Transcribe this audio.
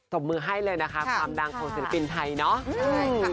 บมือให้เลยนะคะความดังของศิลปินไทยเนาะ